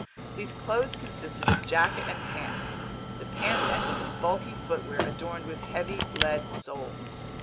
These clothes consisted of jacket and pants. The pants ended in bulky footwear adorned with heavy lead soles.